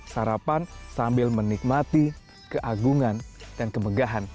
sarapan sambil menikmati keagungan dan kemegahan